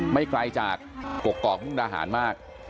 ไม่ไกลจากกกอกมุกดาหารมาก